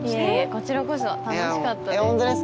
こちらこそ楽しかったです。